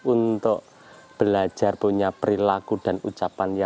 untuk belajar punya perilaku dan ucapannya